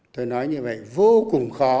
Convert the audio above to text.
tôi nói như vậy vô cùng khó